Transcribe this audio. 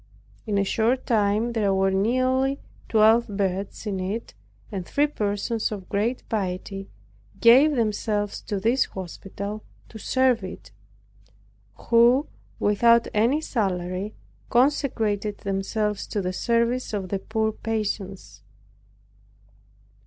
In a short time there were nearly twelve beds in it and three persons of great piety gave themselves to this hospital to serve it, who, without any salary, consecrated themselves to the service of the poor patients.